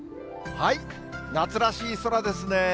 夏らしい空ですね。